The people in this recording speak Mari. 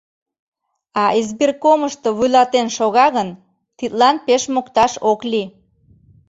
А избиркомышто вуйлатен шога гын, тидлан пеш мокташ ок лий.